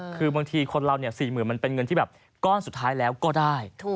คือบางทีคนเรา๔๐๐๐มันเป็นเงินที่แบบก้อนสุดท้ายแล้วก็ได้